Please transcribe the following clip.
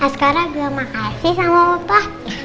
sekarang terima kasih sama opah